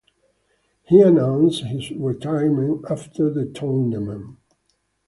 He announced his retirement after the tournament.